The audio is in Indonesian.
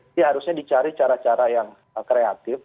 ini harusnya dicari cara cara yang kreatif